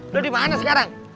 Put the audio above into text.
lo dimana sekarang